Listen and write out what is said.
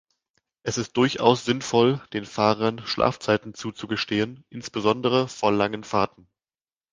Es ist durchaus sinnvoll, den Fahrern Schlafzeiten zuzugestehen, insbesondere vor langen Fahrten.